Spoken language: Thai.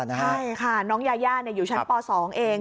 ใช่ค่ะน้องยายาอยู่ชั้นป๒เอง